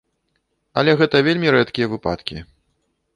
Але гэта вельмі рэдкія выпадкі.